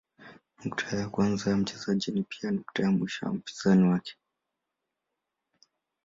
Nukta ya kwanza ya mchezaji ni pia nukta ya mwisho wa mpinzani wake.